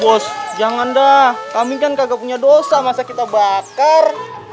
bos jangan dah kami kan kagak punya dosa masa kita bakar